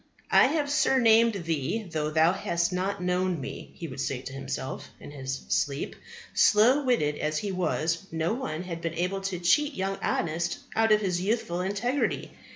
"I have surnamed thee though thou hast not known Me," he would say to himself in his sleep. Slow witted as he was, no one had been able to cheat young Honest out of his youthful integrity.